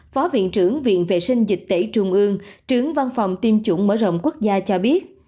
phó viện trưởng viện vệ sinh dịch tễ trung ương trưởng văn phòng tiêm chủng mở rộng quốc gia cho biết